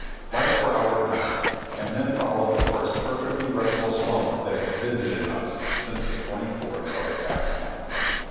Lights were out at nine, and then followed the first perfectly restful slumber that had visited us since the twenty fourth of the past month.